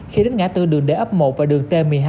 khi đến ngã tư đường d ấp một và đường t một mươi hai